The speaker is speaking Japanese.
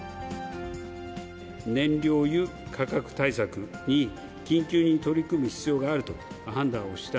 燃料油価格対策に、緊急に取り組む必要があると判断をした。